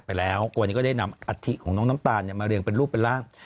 ไปแล้วอาทิมาเรียงเป็นรูปเป็นร่าง